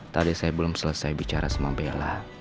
tadi saya belum selesai bicara sama bella